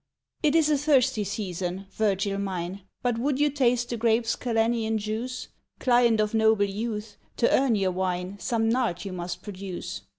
It is a thirsty season, Virgil mine: But would you taste the grape's Calenian juice, Client of noble youths, to earn your wine Some nard you must produce.